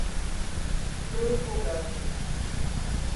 prorrogável